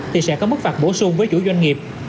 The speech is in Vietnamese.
thì sẽ có mức phạt bổ sung với chủ doanh nghiệp